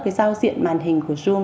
cái giao diện màn hình của zoom